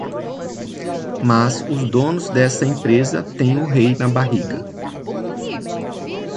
Mas os donos dessa empresa têm o rei na barriga